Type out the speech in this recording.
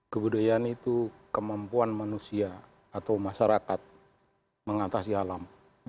kebudayaan itu kemampuan manusia atau masyarakat mengatasi alam